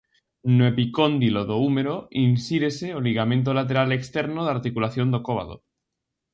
No epicóndilo do úmero insírese o ligamento lateral externo da articulación do cóbado.